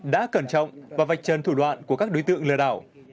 đã cẩn trọng và vạch trần thủ đoạn của các đối tượng lừa đảo